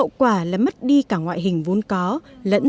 hậu quả là mất đi cả ngoại hình vốn có lẫn sức khỏe